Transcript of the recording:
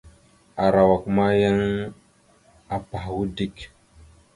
Arawak ma yan apahwa dik.